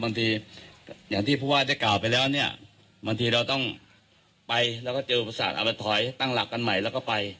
บางทีอย่างที่ผู้ว่าได้กล่าวไปแล้วเนี่ยบางทีเราต้องไปแล้วก็เจออุปสรรคเอามาถอยตั้งหลักกันใหม่แล้วก็ไป